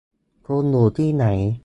คุณอยู่ที่ไหน ?